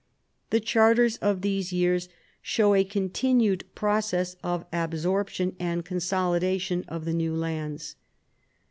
The charters of these years show a continued process of absorption and consolidation of the new lands.